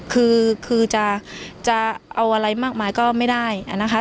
คือจะเอาอะไรมากมายก็ไม่ได้นะคะ